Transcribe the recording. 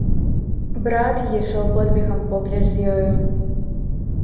Брат ішоў подбегам поплеч з ёю.